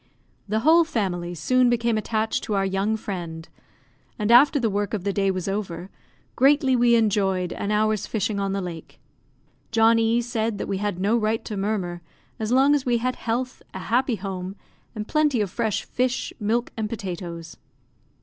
The whole family soon became attached to our young friend; and after the work of the day was over, greatly we enjoyed an hour's fishing on the lake. John E said that we had no right to murmur, as long as we had health, a happy home, and plenty of fresh fish, milk, and potatoes.